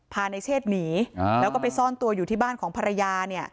พาในเชศหนีแล้วก็ไปซ่อนตัวอยู่ที่บ้านของภรรยาเนี่ย